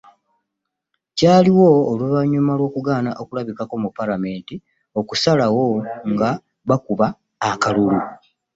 Kyaliwo oluvannyuma lw'okugaana okulabikako mu Paalamenti okusalawo nga bakuba akalulu